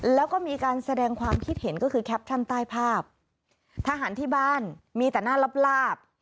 แล้วก็มีการแสดงความคิดเห็นก็คือแคปชั่นใต้ภาพทหารที่บ้านมีแต่หน้าลับลาบ